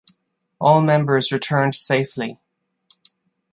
All members returned safely.